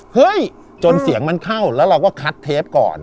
เฮ้ยจนเสียงมันเข้าแล้วเราก็คัดเทปก่อน